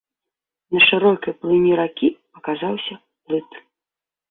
На шырокай плыні ракі паказаўся плыт.